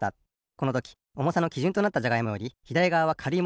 このときおもさのきじゅんとなったじゃがいもよりひだりがわはかるい